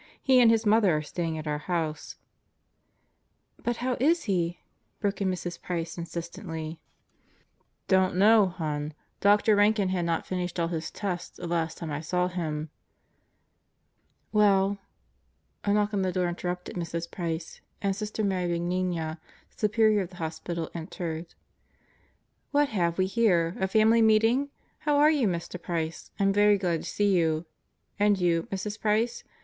He and his mother are staying at our house." "But how is he?" broke in Mrs. Price insistently. 10 God Goes to Murderers Roto "Don't know, hon. Dr. Rankin had not finished all his tests the last time I saw him," "Well ..." A knock on the door interrupted Mrs. Price and Sister Mary Benigna, Superior of the hospital, entered. "What have we here a family meeting? How are you, Mr. Price? I'm very glad to see you. And you, Mrs. Price?